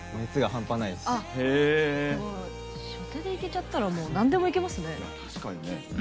初でいけちゃったらなんでもいけちゃいますね。